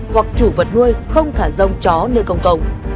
hoặc chủ vật nuôi không thả rông chó nơi công cộng